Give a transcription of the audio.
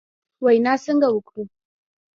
وینا څنګه وکړو ؟